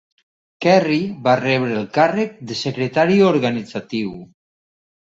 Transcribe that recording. Kerry va rebre el càrrec de "Secretari organitzatiu".